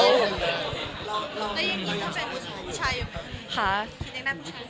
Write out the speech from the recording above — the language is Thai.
อย่างงี้ก็เป็นภูติหัวผู้ชายอยู่ไหม